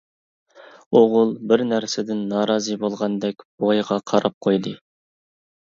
ئوغۇل بىر نەرسىدىن نارازى بولغاندەك بوۋايغا قاراپ قويدى.